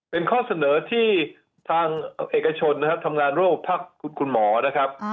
เป็นข้อเสนอที่ทางเอกชนนะครับทำงานโรคภาคคุณหมอนะครับ